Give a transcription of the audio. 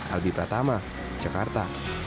albi pratama jakarta